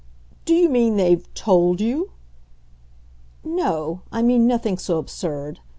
"Do you mean they've TOLD you ?" "No I mean nothing so absurd.